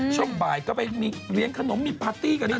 ช่วงบ่ายก็ไปมีเลี้ยงขนมมีปาร์ตี้กันนะ